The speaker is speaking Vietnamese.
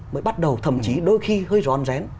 mới bắt đầu thậm chí đôi khi hơi ròn rén